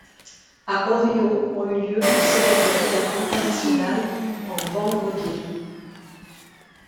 À Orio ont eu lieu de célèbres régates Internationales en banc mobile.